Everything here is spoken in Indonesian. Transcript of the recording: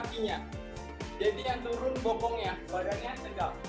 saat dapat squat lutut tidak melebihi dari ujung nafas